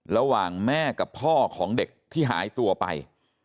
ระหว่างแม่กับพ่อของเด็กที่หายตัวไป